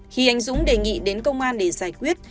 khi anh dũng đề nghị đến công an để giải quyết